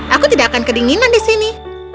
aku tidak akan kedinginan di sini